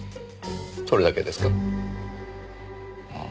それだけですか？